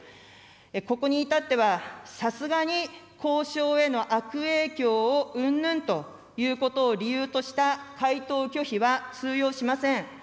ここに至っては、さすがに交渉への悪影響をうんぬんということを理由とした回答拒否は通用しません。